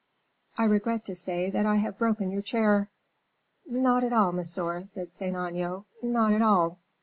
"I regret to say that I have broken your chair." "Not at all, monsieur," said Saint Aignan; "not at all."